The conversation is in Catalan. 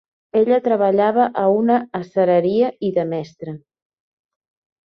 Ella treballava a una acereria i de mestra.